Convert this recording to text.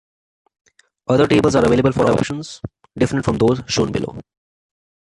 Other tables are available for options different from those shown below.